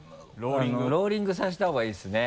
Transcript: ローリングさせたほうがいいですね。